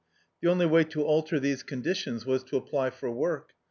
The only way to alter these condi tions was to apply for work.